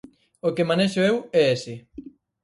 O que manexo eu é ese.